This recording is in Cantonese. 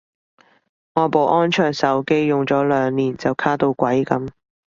我部安卓手機用咗兩年就卡到鬼噉